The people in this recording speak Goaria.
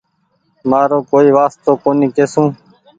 مآرو ڪوئي وآستو ڪونيٚ ڪسون